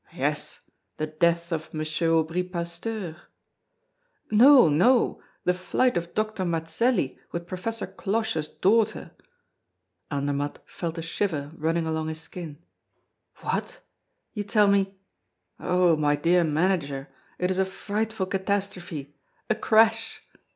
"Yes, the death of M. Aubry Pasteur." "No, no, the flight of Doctor Mazelli with Professor Cloche's daughter." Andermatt felt a shiver running along his skin. "What? you tell me " "Oh! my dear manager, it is a frightful catastrophe, a crash!"